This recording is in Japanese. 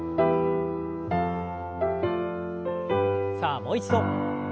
さあもう一度。